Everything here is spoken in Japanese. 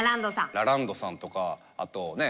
ラランドさんとかあとね